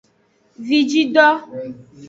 Vijido.